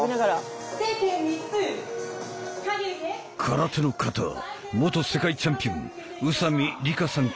空手の形元世界チャンピオン宇佐美里香さん